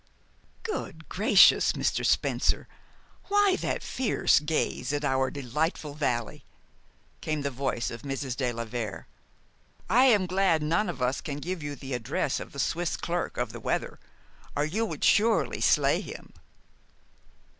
"Good gracious, Mr. Spencer! why that fierce gaze at our delightful valley?" came the voice of Mrs. de la Vere. "I am glad none of us can give you the address of the Swiss clerk of the weather or you would surely slay him."